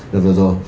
được rồi rồi